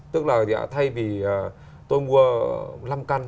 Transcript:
tức là thay vì tôi mua năm căn